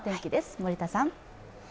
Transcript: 森田さん。